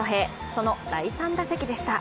その第３打席でした。